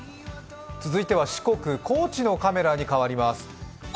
続いては四国・高知のカメラに変わります。